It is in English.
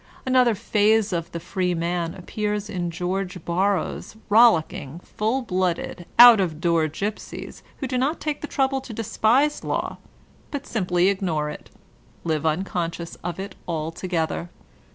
Another phase of the free man appears in George Borrow*s rollicking, full blooded, out of door gypsies who do not take the trouble to despise law, but simply ignore it, live unconscious of it alto gether.